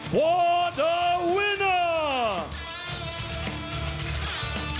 เพื่อเจ้าผู้ชม